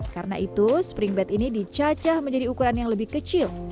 karena itu spring bed ini dicacah menjadi ukuran yang lebih kecil